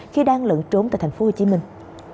khi đang lẫn trốn tại thành phố hồ chí minh